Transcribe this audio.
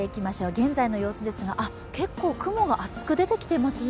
現在の様子ですが結構雲が厚くてできていますね。